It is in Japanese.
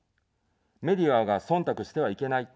メディアがそんたくしてはいけない。